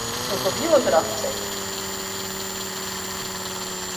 Jsou to býložravci.